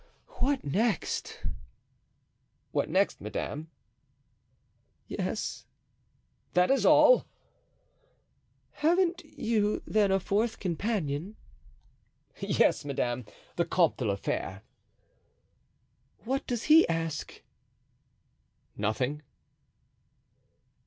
"What next?" "What next, madame?" "Yes." "That is all." "Haven't you, then, a fourth companion?" "Yes, madame, the Comte de la Fere." "What does he ask?" "Nothing."